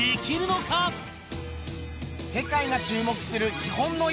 世界が注目する日本の逸品。